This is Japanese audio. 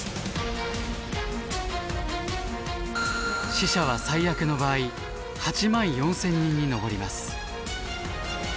死者は最悪の場合８万４，０００人に上ります。